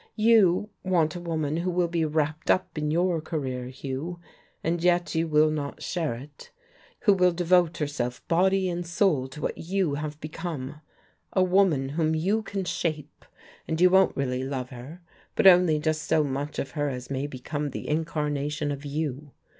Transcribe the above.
You want a woman who will be wrapped up in your career, Hugh, and yet who will not share it, who will devote herself body and soul to what you have become. A woman whom you can shape. And you won't really love her, but only just so much of her as may become the incarnation of you.